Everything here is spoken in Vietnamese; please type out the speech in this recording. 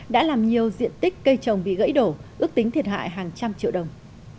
đã làm nhiều diện tích cây trồng bị gãy đổ ước tính thiệt hại hàng trăm triệu đồng